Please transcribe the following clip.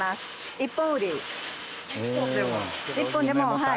１本でもはい。